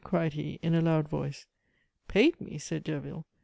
cried he in a loud voice. "Paid me?" said Derville.